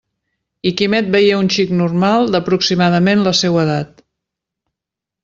I Quimet veié un xic normal d'aproximadament la seua edat.